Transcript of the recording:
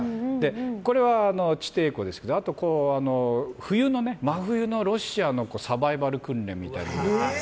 これは地底湖ですけどあと真冬のロシアのサバイバル訓練みたいな。